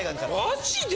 マジで！？